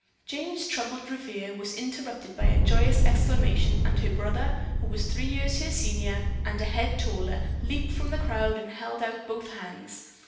Jane's troubled reverie was interrupted by a joyous exclamation, and her brother, who was three years her senior and a head taller, leaped from the crowd and held out both hands.